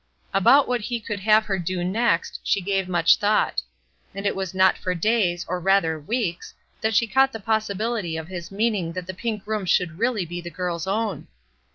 About what He could have her do next, she gave much thought. And it was not for days, or rather weeks, that she caught the possibility of His meaning that the pink room should really be the girl's own.